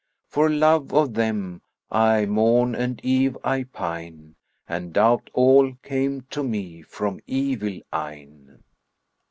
For love of them aye, morn and eve I pine, * And doubt all came to me from evil eyne."